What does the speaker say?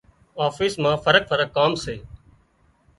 آفيس مان فرق فرق ڪام سي۔